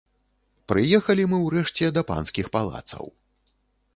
Прыехалі мы ўрэшце да панскіх палацаў.